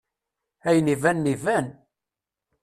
Ayen ibanen iban!